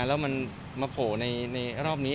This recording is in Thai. แล้วมันมาโผล่ในรอบนี้